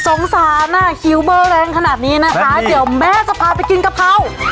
สงสารอ่ะคิวเบอร์แรงขนาดนี้นะคะเดี๋ยวแม่จะพาไปกินกะเพรา